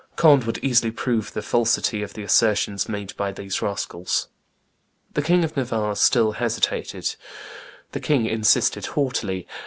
... Conde would easily prove the falsity of the assertions made by these rascals." The King of Navarre still hesitated; the king insisted haughtily.